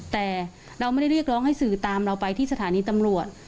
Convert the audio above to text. แต่เราไม่ได้เรียกร้องให้สื่อตามเราไปที่สถานีตำรวจ